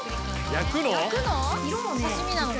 焼くの？